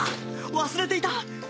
忘れていた！